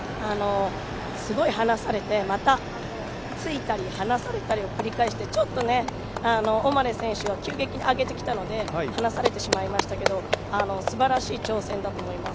すごい離されて、またついたり、離されたりを繰り返して、繰り返して、ちょっとオマレ選手は急激に上げてきたので離されてしまいましたけどすばらしい挑戦だと思います。